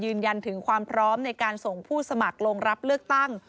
ยืนยันถึงความพร้อมในการส่งผู้สมัครลงรับเลือกตั้ง